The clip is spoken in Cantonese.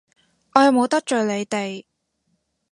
我又冇得罪你哋！